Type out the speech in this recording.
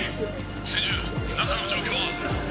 千住中の状況は？